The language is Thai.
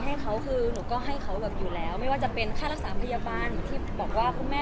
เหมือนก่อนอันนี้แม่ไม่เคยมายืมด้วยหนูนะ